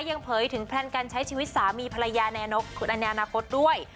เผยถึงแพลนการใช้ชีวิตสามีภรรยาในอนาคตด้วย